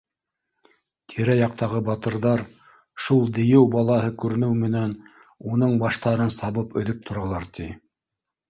Тирә-яҡтағы батырҙар, шул дейеү балаһы күренеү менән, уның баштарын сабып өҙөп торалар, ти